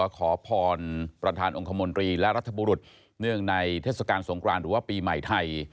ขอพรประธานองค์คมนตรีและรัฐบุรุษเนื่องในเทศกาลสงครานหรือว่าปีใหม่ไทย